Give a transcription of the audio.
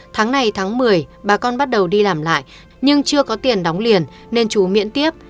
tháng này tháng một mươi bà con bắt đầu đi làm lại nhưng chưa có tiền đóng liền nên chú miễn tiếp